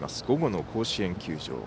午後の甲子園球場。